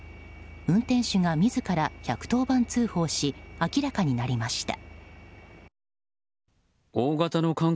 運転手が自ら１１０番通報し明らかになりました。